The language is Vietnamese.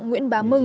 nguyễn bám thông